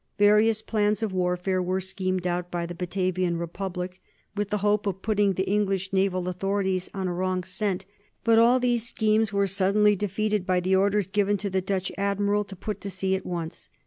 Various plans of warfare were schemed out by the Batavian Republic, with the hope of putting the English naval authorities on a wrong scent, but all these schemes were suddenly defeated by the orders given to the Dutch admiral to put to sea at once.